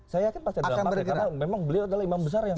saya yakin pasti ada partai karena memang beliau adalah imam besar yang